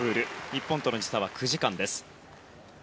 日本との時差は９時間です。